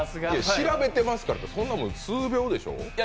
調べてますからってそんなの数秒でしょ。